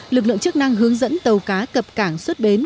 lực lượng chức năng hướng dẫn tàu cá cập cảng xuất bến